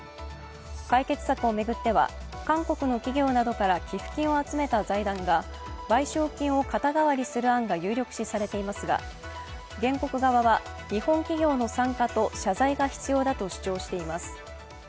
解決策を巡っては韓国の企業などから寄付金を集めた財団が賠償金を肩代わりする案が有力視されていますが、原告側は日本企業の参加と謝罪が必要だとしています。